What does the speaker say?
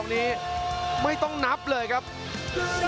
โอ้โหโอ้โหโอ้โหโอ้โหโอ้โหโอ้โหโอ้โหโอ้โห